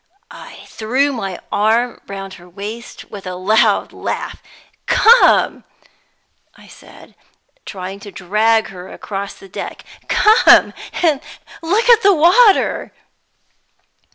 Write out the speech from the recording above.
I threw my arm round her waist with a loud laugh. "Come," I said, trying to drag her across the deck "come and look at the water."